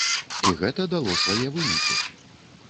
І гэта дало свае вынікі.